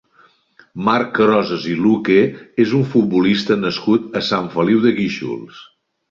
Marc Crosas i Luque és un futbolista nascut a Sant Feliu de Guíxols.